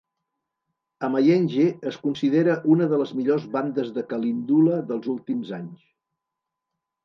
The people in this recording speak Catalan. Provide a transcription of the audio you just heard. Amayenge es considera una de les millors bandes de kalindula dels últims vint anys.